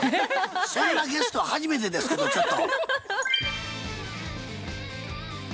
そんなゲスト初めてですけどちょっと。